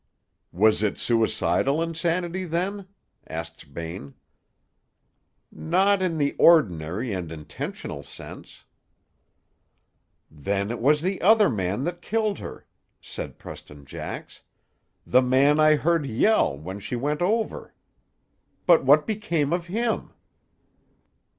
"Was it suicidal insanity, then?" asked Bain. "Not in the ordinary and intentional sense." "Then it was the other man that killed her," said Preston Jax; "the man I heard yell, when she went over. But what became of him?"